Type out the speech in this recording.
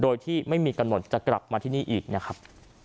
โดยที่ไม่มีกำหนดจะกลับมาที่นี่อีกนะครับ